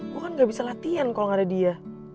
gue kan gak bisa latihan kalau nggak ada dia